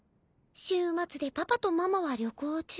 週末でパパとママは旅行中。